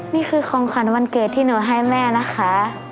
นี่คือของขวัญวันเกิดที่หนูให้แม่นะคะ